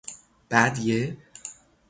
بعد یه